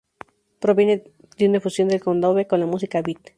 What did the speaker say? Proviene de una fusión del candombe con la música beat.